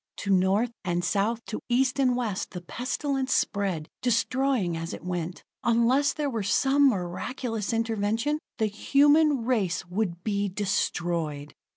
To North and South, to East and West, the pestilence spread, destroying as it went. Unless there were some miraculous intervention, the human race would be destroyed!